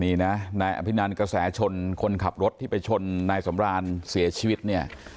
นี่นะนายอภินันกระแสชนคนขับรถที่ไปชนนายสำรานเสียชีวิตเนี่ย